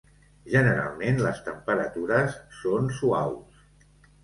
Generalment, les temperatures són suaus.